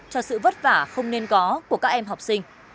cho sự vất vả không nên có của các em học sinh